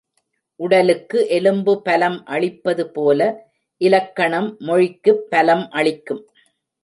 உடலுக்கு எலும்பு பலம் அளிப்பது போல இலக்கணம் மொழிக்குப் பலம் அளிக்கும்.